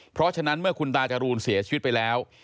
เพราะฉะนั้นเมื่อคุณตาจรูนเสียชีวิตไปแล้ว